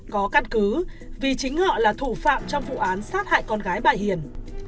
có căn cứ vì chính họ là thủ phạm trong vụ án sát hại con gái bà hiền